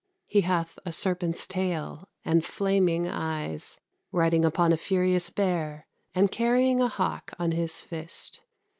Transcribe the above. He hath a serpent's taile, and flaming eies; riding upon a furious beare, and carrieng a hawke on his fist."